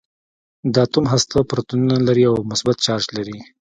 د اتوم هسته پروتونونه لري او مثبت چارج لري.